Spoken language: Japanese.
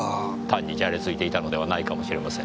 単にじゃれついていたのではないかもしれません。